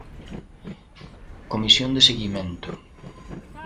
Comisión de seguimento.